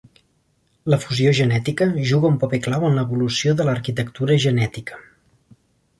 La fusió genètica juga un paper clau en l'evolució de l'arquitectura genètica.